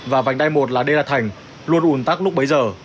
và vành đai một là đê là thành luôn ủn tắc lúc bấy giờ